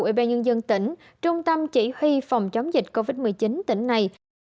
ủy ban nhân dân tỉnh trung tâm chỉ huy phòng chống dịch covid một mươi chín tỉnh này